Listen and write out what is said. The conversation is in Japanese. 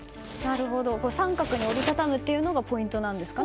三角に折りたたむのがポイントなんですかね。